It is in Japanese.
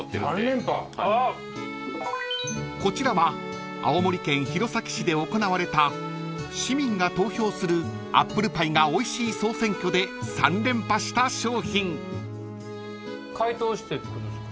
［こちらは青森県弘前市で行われた市民が投票するアップルパイがおいしい総選挙で３連覇した商品］解凍してってことですか？